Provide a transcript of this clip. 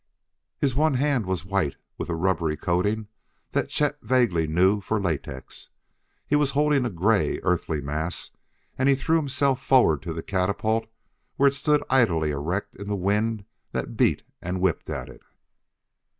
His one hand was white with a rubbery coating that Chet vaguely knew for latex. He was holding a gray, earthy mass, and he threw himself forward to the catapult where it stood idly erect in the wind that beat and whipped at it.